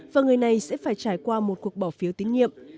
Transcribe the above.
và người này sẽ phải trải qua một cuộc bỏ phiếu tín nhiệm